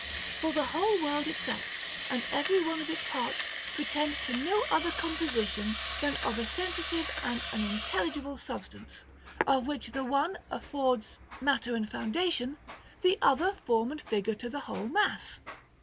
For the whole world itself and every one of its parts pretend to no other composition than of a sensitive and an intelligible substance, of which the one affords mat ter and foundation, the other form and figure to the whole mass.